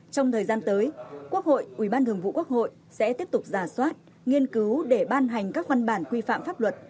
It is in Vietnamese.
trong thời gian tới quốc hội ubthq sẽ tiếp tục giả soát nghiên cứu để ban hành các văn bản quy phạm pháp luật